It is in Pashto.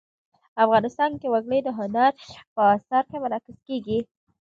افغانستان کې وګړي د هنر په اثار کې منعکس کېږي.